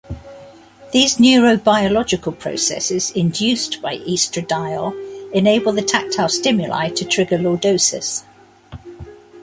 These neurobiological processes induced by estradiol enable the tactile stimuli to trigger lordosis.